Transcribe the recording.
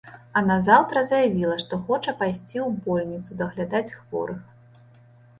А назаўтра заявіла, што хоча пайсці ў больніцу даглядаць хворых.